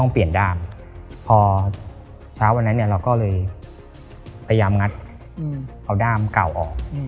ประหยัมงัดเอาด้ามก่าวออก